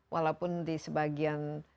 walaupun di sebagian